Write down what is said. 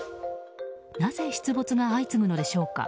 なぜ、出没が相次ぐのでしょうか。